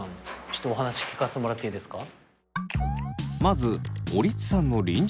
ちょっとお話聞かせてもらっていいですか？